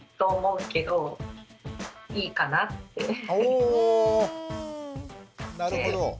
おおなるほど。